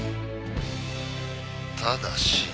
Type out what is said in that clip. ただし。